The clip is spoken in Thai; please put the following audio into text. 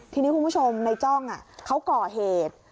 ทีนี้คุณผู้ชมในจ้องเขาก่อเหตุ